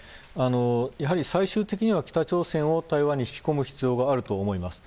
やはり最終的には北朝鮮を台湾に引き込む必要があると思います。